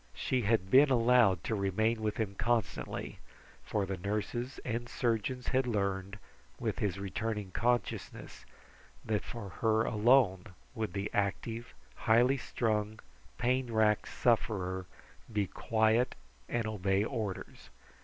She had been allowed to remain with him constantly, for the nurses and surgeons had learned, with his returning consciousness, that for her alone would the active, highly strung, pain racked sufferer be quiet and obey orders.